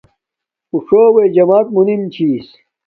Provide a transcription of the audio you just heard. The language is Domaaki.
اُݸ ݽݸوݵئ جمݳت مُنِم چھݵس.